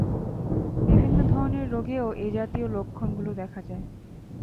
বিভিন্ন ধরনের রোগেও এই জাতীয় লক্ষণগুলো দেখা যায়।